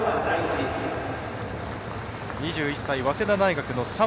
２１歳、早稲田大学の澤。